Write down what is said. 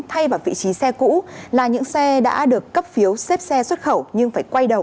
thay vào vị trí xe cũ là những xe đã được cấp phiếu xếp xe xuất khẩu nhưng phải quay đầu